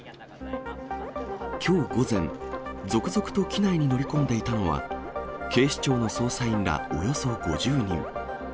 きょう午前、続々と機内に乗り込んでいたのは、警視庁の捜査員ら、およそ５０人。